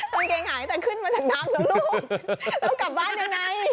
กางเกงหายแต่ขึ้นมาจากน้ำแล้วลูกต้องกลับบ้านยังไง